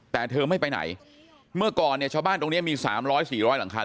แต่เธอไม่ไปไหนเมื่อก่อนเนี่ยชาวบ้านตรงนี้มี๓๐๐๔๐๐หลังคา